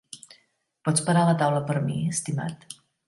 Pots parar la taula per mi, estimat?